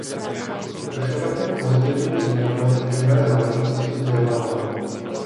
Došlo také k pozitivním změnám v citlivé záležitosti vzdělávání.